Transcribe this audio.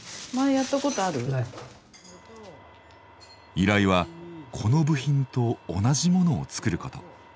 依頼はこの部品と同じ物を作ること。